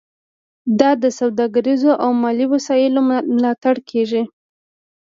دا د سوداګریزو او مالي وسایلو ملاتړ کیږي